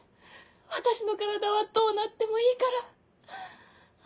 私の体はどうなってもいいから。